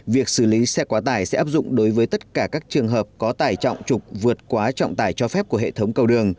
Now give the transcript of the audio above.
việc xử lý xe quá tải sẽ áp dụng đối với tất cả các trường hợp có tải trọng trục vượt quá trọng tải cho phép của hệ thống cầu đường